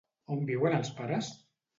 On viuen els pares?